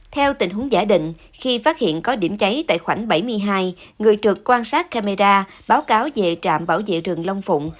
theo tình huống giả định khi phát hiện có điểm cháy tại khoảnh bảy mươi hai người trực quan sát camera báo cáo về trạm bảo vệ rừng long phụng